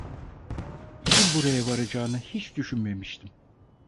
İşin buraya varacağını hiç düşünmemiştim.